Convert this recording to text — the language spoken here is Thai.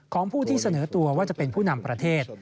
ของผู้ที่เสนอตัวว่าจะเป็นผู้นำประเทศ